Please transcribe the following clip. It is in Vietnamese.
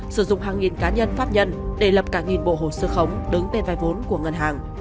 sử dụng hàng nghìn cá nhân pháp nhân để lập cả nghìn bộ hồ sơ khống đứng tên vay vốn của ngân hàng